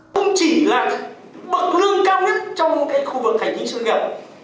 không chỉ là bậc lương cao nhất trong khu vực thành tính sự nghiệp